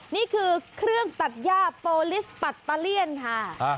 นี่คือเครื่องตัดย่าโปรลิสปัตตาเลี่ยนค่ะ